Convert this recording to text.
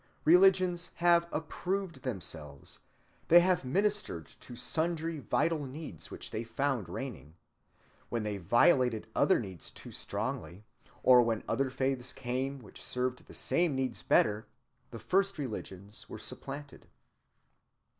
Religions have approved themselves; they have ministered to sundry vital needs which they found reigning. When they violated other needs too strongly, or when other faiths came which served the same needs better, the first religions were supplanted.